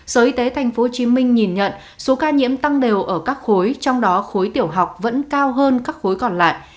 sở y tế tp hcm nhìn nhận số ca nhiễm tăng đều ở các khối trong đó khối tiểu học vẫn cao hơn các khối còn lại